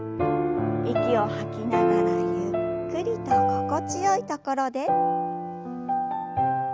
息を吐きながらゆっくりと心地よい所で。